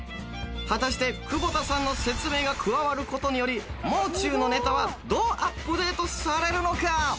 果たして窪田さんの説明が加わる事によりもう中のネタはどうアップデートされるのか？